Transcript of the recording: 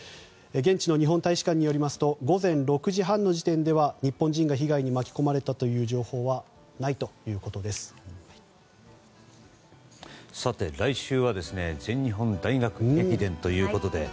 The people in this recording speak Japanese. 現地の日本大使館によりますと午前６時半時点では日本人が被害に巻き込まれた情報はないということです。